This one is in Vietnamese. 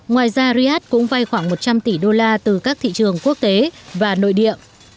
ngoài ra riyadh cũng vay khoảng một trăm linh tỷ đô la từ các thị trường quốc tế và nội địa